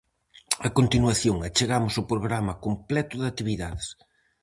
A continuación, achegamos o programa completo de actividades.